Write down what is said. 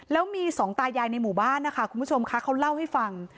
แล้วมีสองตายายในหมู่บ้านนะคะคุณผู้ชมค่ะเขาเล่าให้ฟัง